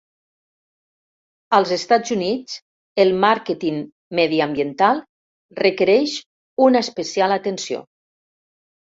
Als Estats Units, el màrqueting mediambiental requereix una especial atenció.